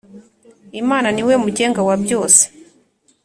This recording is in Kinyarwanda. Imana niwe mugenga wabyose.